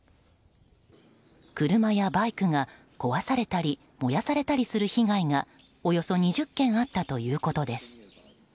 車やバイクが壊されたり燃やされたりする被害がおよそ２０件あったということです。